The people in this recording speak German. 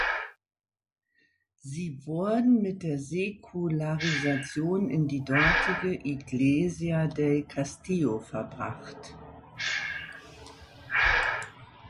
Sie wurden mit der Säkularisation in die dortige Iglesia del Castillo verbracht.